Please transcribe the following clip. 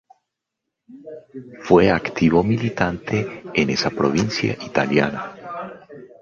Fue un activo militante en esa provincia italiana.